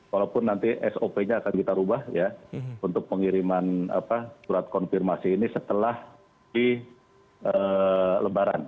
walaupun nanti sop nya akan kita ubah ya untuk pengiriman surat konfirmasi ini setelah di lebaran